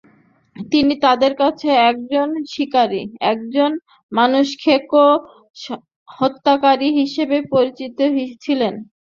তিনি তাদের কাছে একজন শিকারি, একজন মানুষখেকো হত্যাকারী হিসেবে পরিচিত ছিলেন।